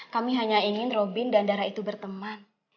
kami hanya ingin robin dan darah itu berteman